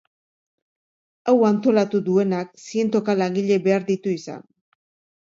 Hau antolatu duenak zientoka langile behar ditu izan.